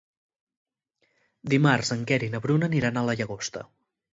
Dimarts en Quer i na Bruna aniran a la Llagosta.